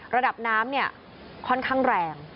ระดับน้ำค่อนข้างแรง